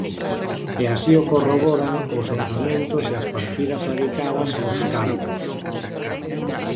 E así o corroboran os orzamentos e as partidas adicadas aos cargos.